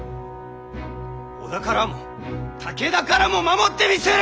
織田からも武田からも守ってみせる！